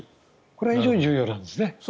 これが非常に重要なんですね。